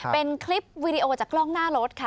เป็นคลิปวีดีโอจากกล้องหน้ารถค่ะ